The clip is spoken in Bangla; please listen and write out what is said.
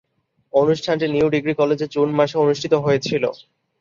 অনুষ্ঠানটি নিউ ডিগ্রি কলেজে জুন মাসে অনুষ্ঠিত হয়েছিলো।